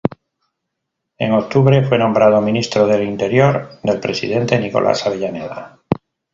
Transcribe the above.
En octubre fue nombrado Ministro del Interior del presidente Nicolás Avellaneda.